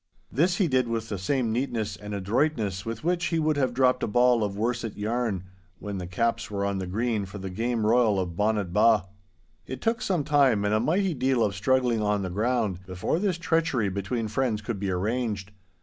This he did with the same neatness and adroitness with which he would have dropped a ball of worset yarn, when the caps were on the green for the game royal of Bonnet Ba'. It took some time and a mighty deal of struggling on the ground before this treachery between friends could be arranged.